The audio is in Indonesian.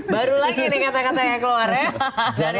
baru lagi nih kata katanya keluar ya